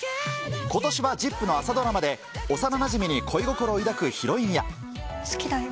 ことしはＺＩＰ！の朝ドラマで、幼なじみに恋心を抱くヒロインや。